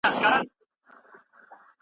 زه د ورځې په اوږدو کې مختلف ډول سنکس وخورم.